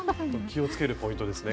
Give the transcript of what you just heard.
気をつけるポイントですね。